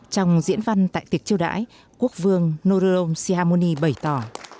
trong diễn văn tại tiệc chiêu đãi quốc vương norom sihamoni bày tỏ